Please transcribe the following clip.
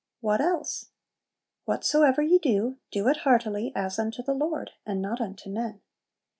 What else? "Whatsoever ye do, do it heartily, as unto the Lord, and not unto men."